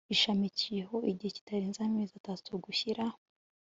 ishamikiyeho igihe kitarenze amezi atatu gushyira